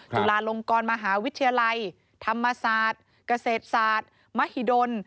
จุฬาลงกรมหาวิทยาลัยธรรมศาสตร์เกษตรศาสตร์มหิดล